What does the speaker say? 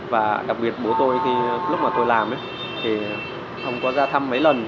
và đặc biệt bố tôi khi lúc mà tôi làm thì không có ra thăm mấy lần